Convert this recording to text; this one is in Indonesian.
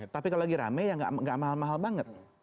tapi kalau lagi ramai ya tidak mahal mahal banget